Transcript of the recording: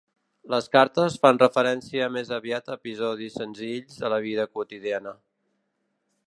Les cartes fan referència més aviat a episodis senzills de la vida quotidiana.